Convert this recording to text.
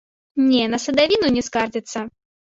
Не, на садавіну не скардзяцца!